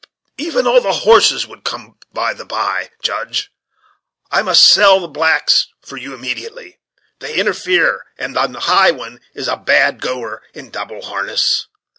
Even all the horses would come by the bye, Judge, I must sell the blacks for you immediately; they interfere, and the nigh one is a bad goer in double harness.